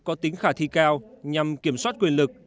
có tính khả thi cao nhằm kiểm soát quyền lực